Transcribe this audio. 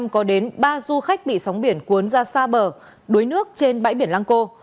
có đến ba du khách bị sóng biển cuốn ra xa bờ đuối nước trên bãi biển lang co